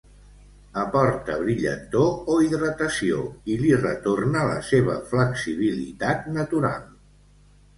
Aporta brillantor o hidratació, i li retorna la seva flexibilitat natural.